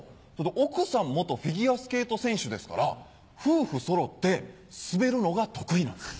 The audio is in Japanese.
奥さん元フィギュアスケート選手ですから夫婦そろってスベるのが得意なんです。